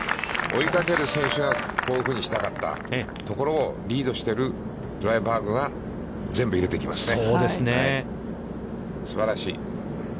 追いかける選手がこういうふうにしたかったところをリードしているドライバーグが、全部入れていきますね。